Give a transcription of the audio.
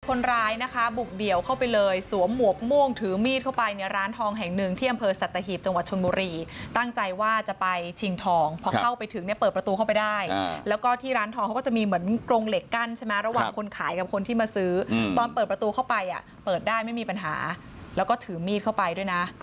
คนร้ายนะคะบุกเดี่ยวเข้าไปเลยสวมหมวกม่วงถือมีดเข้าไปในร้านทองแห่งหนึ่งที่อำเภอสัตหีบจังหวัดชนบุรีตั้งใจว่าจะไปชิงทองพอเข้าไปถึงเนี่ยเปิดประตูเข้าไปได้แล้วก็ที่ร้านทองเขาก็จะมีเหมือนกรงเหล็กกั้นใช่ไหมระหว่างคนขายกับคนที่มาซื้อตอนเปิดประตูเข้าไปอ่ะเปิดได้ไม่มีปัญหาแล้วก็ถือมีดเข้าไปด้วยนะ